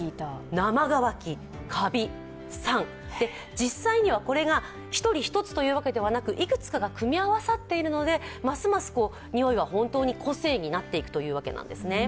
実際にはこれが１人１つということではなく、いくつかが組み合わさっているのでますますにおいは本当に、個性になっていくというわけなんですね。